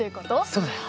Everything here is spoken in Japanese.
そうだよ。